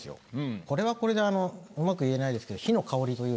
これはこれでうまく言えないですけど。